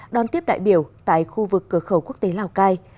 đón tiếp đại biểu tại khu vực cửa khẩu quốc tế lào cai